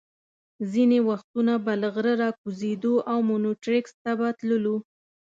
ځینې وختونه به له غره را کوزېدو او مونیټریکس ته به تللو.